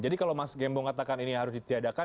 jadi kalau mas gembong katakan ini harus ditiadakan